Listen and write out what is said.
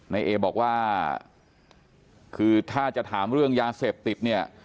นายเอบอกว่าคือถ้าจะถามเรื่องยาเสพติดเนี่ย